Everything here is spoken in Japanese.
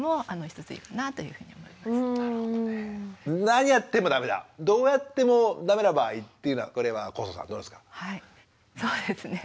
何やってもダメだどうやってもダメな場合っていうのはこれは祖さんどうですか？